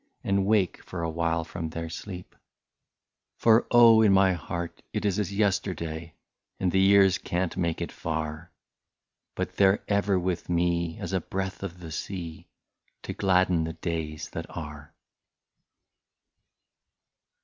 And wake for a while from their sleep ?" For oh ! in my heart 't is as yesterday, And the years can*t make it far, But they *re ever with me, as a breath of the sea. To gladden the days that are."